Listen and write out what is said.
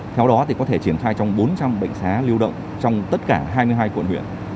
theo đó thì có thể triển khai trong bốn trăm linh bệnh xá lưu động trong tất cả hai mươi hai quận huyện